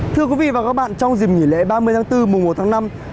thưa quý vị và các bạn trong dìm nghỉ lễ ba mươi tháng bốn mùa một tháng năm